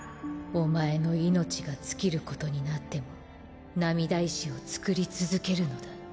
お前の命が尽きることになっても涙石を作り続けるのだ。